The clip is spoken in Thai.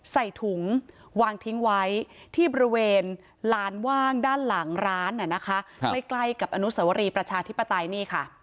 ใส่ถุงวางทิ้งไว้ที่บริเวณลานว่างด้านหลังร้านใกล้กับอนุสวรีประชาธิปไตยนี่ค่ะ